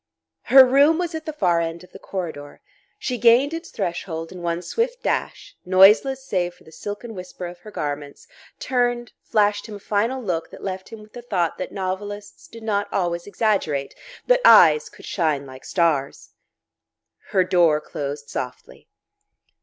Her room was at the far end of the corridor. She gained its threshold in one swift dash, noiseless save for the silken whisper of her garments, turned, flashed him a final look that left him with the thought that novelists did not always exaggerate, that eyes could shine like stars.... Her door closed softly.